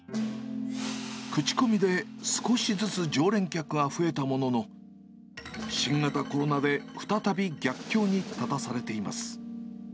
口コミで少しずつ常連客が増えたものの、新型コロナで再び逆境に立たされています。